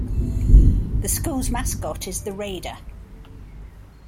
The school's mascot is the Raider.